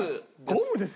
ゴムですよ。